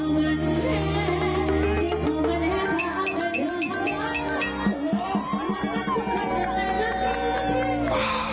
สกิดยิ้ม